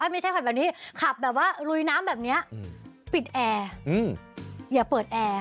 ไม่ใช่ขับแบบนี้ขับแบบว่าลุยน้ำแบบนี้ปิดแอร์อย่าเปิดแอร์